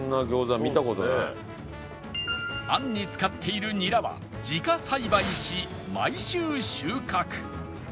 餡に使っているニラは自家栽培し毎週収穫